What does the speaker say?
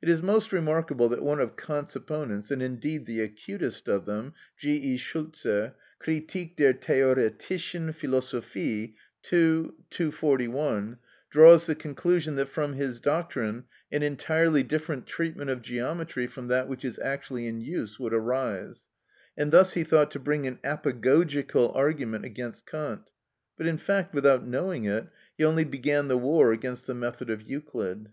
It is most remarkable that one of Kant's opponents, and indeed the acutest of them, G. E. Schulze (Kritik der theoretischen Philosophie, ii. 241), draws the conclusion that from his doctrine an entirely different treatment of geometry from that which is actually in use would arise; and thus he thought to bring an apagogical argument against Kant, but, in fact, without knowing it, he only began the war against the method of Euclid.